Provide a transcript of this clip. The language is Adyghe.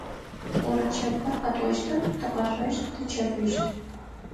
Орэд чэфхэр къэтӏощтых, тыкъэшъощт, тычэфыщт.